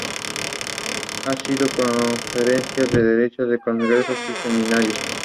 Ha sido conferencista en decenas de congresos y seminarios.